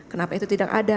kenapa itu tidak ada